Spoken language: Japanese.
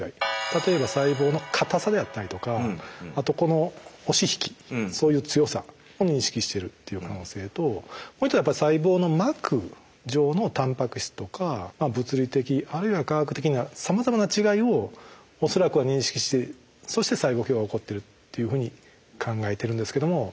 例えば細胞のかたさであったりとかあとこの押し引きそういう強さを認識してるっていう可能性ともう一つはやっぱり細胞の膜上のタンパク質とか物理的あるいは化学的なさまざまな違いを恐らくは認識してそして細胞競合が起こってるっていうふうに考えてるんですけども。